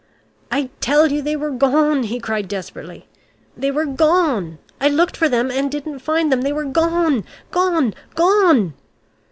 "I tell you, they were gone," he cried desperately. "They were gone. I looked for them, and didn't find them. They were gone gone gone!"